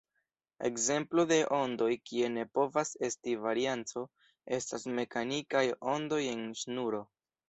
Ekzemplo de ondoj kie ne povas esti varianco estas mekanikaj ondoj en ŝnuro.